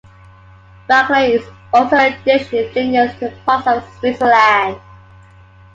Raclette is also a dish indigenous to parts of Switzerland.